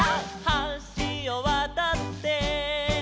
「はしをわたって」